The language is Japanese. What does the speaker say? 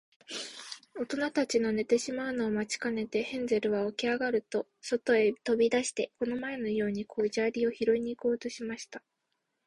おとなたちの寝てしまうのを待ちかねて、ヘンゼルはおきあがると、そとへとび出して、この前のように小砂利をひろいに行こうとしました。